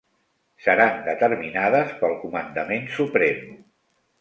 Seran determinades pel Comandament Suprem.